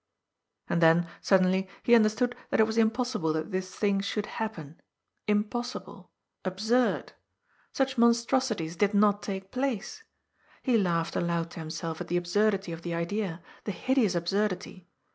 And then, suddenly, he understood that it was impossible that this ^hiag should happen, impossible, absurd. Such THE CATASTROPHE. 399 monstrosities did not take place. He laughed aloud to him self at the absurdity of the idea, the hideous absurdity.